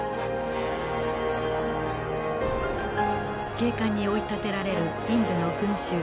警官に追い立てられるインドの群衆。